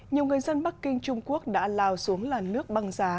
nhiều người dân bắc kinh trung quốc đã lao xuống làn nước băng giá